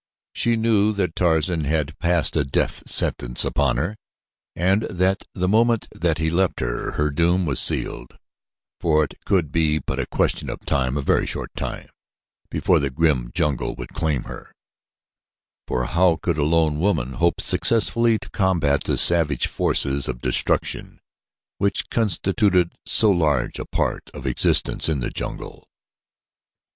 She knew that Tarzan had passed a death sentence upon her, and that the moment that he left her, her doom was sealed, for it could be but a question of time a very short time before the grim jungle would claim her, for how could a lone woman hope successfully to combat the savage forces of destruction which constituted so large a part of existence in the jungle?